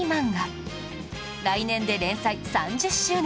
来年で連載３０周年